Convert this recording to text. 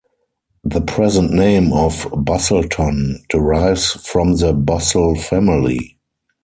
The present name of "Busselton" derives from the Bussell family.